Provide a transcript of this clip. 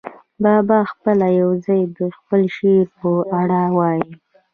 بابا پخپله یو ځای د خپل شعر په اړه وايي.